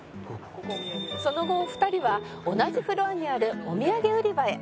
「その後お二人は同じフロアにあるお土産売り場へ」